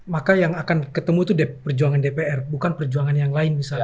maka yang akan ketemu itu perjuangan dpr bukan perjuangan yang lain misalnya